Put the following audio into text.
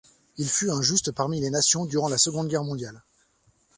Il fut un Juste parmi les nations durant la seconde guerre mondiale.